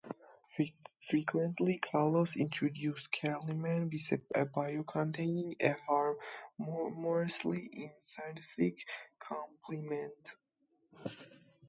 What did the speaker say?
Frequently, Carlson introduced Kellerman with a bio containing a humorously enthusiastic compliment.